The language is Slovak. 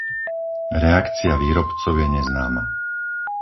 Reakcia výrobcov je neznáma.